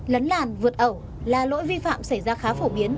lấn làn vượt ẩu là lỗi vi phạm xảy ra khá phổ biến